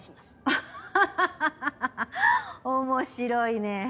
アハハハ面白いね。